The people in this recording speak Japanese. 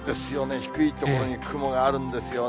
低い所に雲があるんですよね。